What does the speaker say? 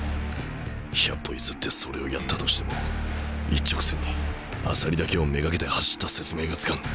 百歩譲ってそれをやったとしても一直線に朝利だけを目がけて走った説明がつかん。